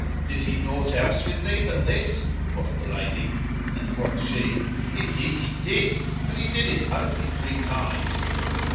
"Did he nought else with thee but this?" quoth the lady, and quoth she, "Indeed he did! But he did it only three times."